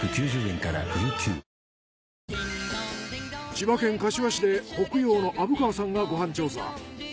千葉県柏市で北陽の虻川さんがご飯調査。